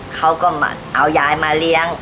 เขาก็มาเอายายมาเลี้ยง